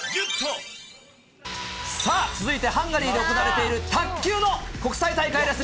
続いて、ハンガリーで行われている卓球の国際大会です。